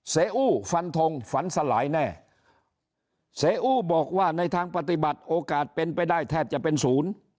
อู้ฟันทงฝันสลายแน่เสียอู้บอกว่าในทางปฏิบัติโอกาสเป็นไปได้แทบจะเป็นศูนย์